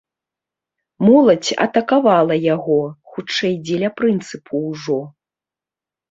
Моладзь атакавала яго, хутчэй дзеля прынцыпу ўжо.